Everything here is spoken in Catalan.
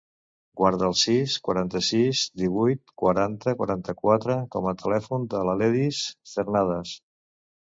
Guarda el sis, quaranta-sis, divuit, quaranta, quaranta-quatre com a telèfon de l'Aledis Cernadas.